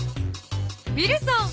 ウィルソン！